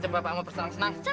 bapak bapak kamu